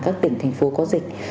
các tỉnh thành phố có dịch